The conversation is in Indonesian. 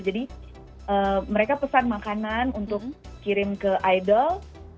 jadi mereka pesan makanan untuk kirim ke idol